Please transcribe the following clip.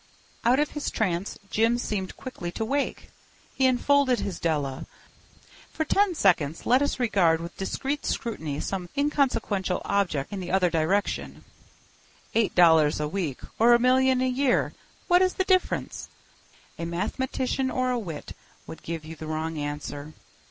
Out of his trance Jim seemed quickly to wake. He enfolded his Della. For ten seconds let us regard with discreet scrutiny some inconsequential object in the other direction. Eight dollars a week or a million a year—what is the difference? A mathematician or a wit would give you the wrong answer.